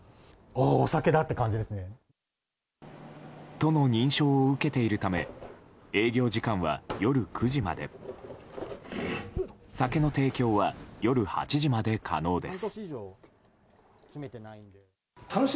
都の認証を受けているため営業時間は夜９時まで酒の提供は夜８時まで可能です。